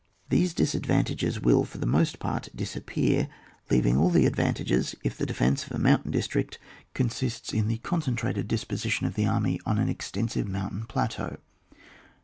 These disadvantages will^ for the most part, disappear, leaving all the advan tages, if the defence of a mountain dis trict consists in the concentrated dis 124 ON WAR. [book VI. poBition of the army on an extensive moimtain plateau.